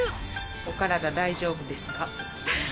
お体大丈夫ですか？